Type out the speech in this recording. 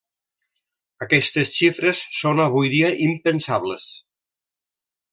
Aquestes xifres són avui dia impensables.